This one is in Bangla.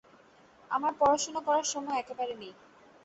আমার পড়াশুনো করার সময় একেবারে নেই।